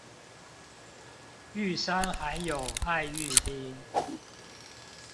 玉山還有愛玉冰